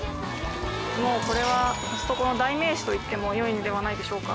もうこれはコストコの代名詞と言ってもよいのではないでしょうか。